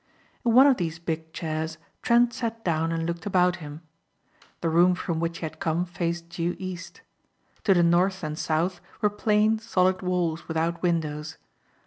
In one of these big chairs Trent sat down and looked about him. The room from which he had come faced due east. To the north and south were plain solid walls without windows.